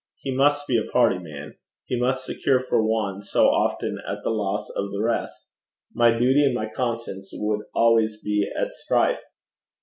He must be a party man. He must secure for one so often at the loss of the rest. My duty and my conscience would always be at strife.'